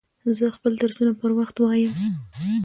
زه خپل درسونه پر وخت وایم.